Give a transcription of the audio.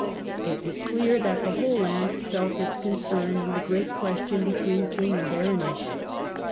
It was clear that the whole land felt its concern in the great question between king and baronage.